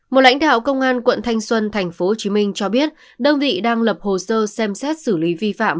một lãnh đạo công an quận thanh xuân thành phố hồ chí minh cho biết đơn vị đang lập hồ sơ xem xét xử lý vi phạm